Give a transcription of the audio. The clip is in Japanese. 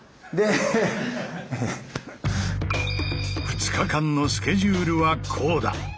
２日間のスケジュールはこうだ！